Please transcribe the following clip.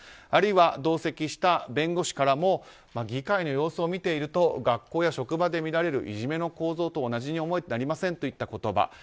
あるいは、同席した弁護士からも議会の様子を見ていると学校や職場で見られるいじめの構造と同じに思えてなりませんという言葉。